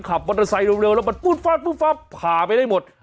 ขับมอเตอร์ไซค์เร็วแล้วมันปุ๊ดฟับผ่าไปได้หมด